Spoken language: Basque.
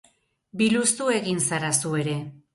Biluztu egin zara zu ere.